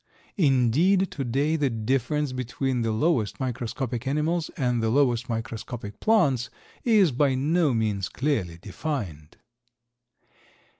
Indeed, today the difference between the lowest microscopic animals and the lowest microscopic plants is by no means clearly defined.